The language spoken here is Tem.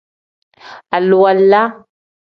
Aliwala.